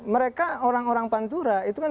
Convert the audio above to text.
mereka orang orang pantura itu kan